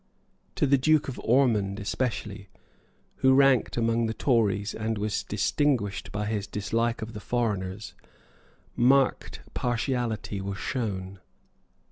To the Duke of Ormond especially, who ranked among the Tories and was distinguished by his dislike of the foreigners, marked partiality was shown.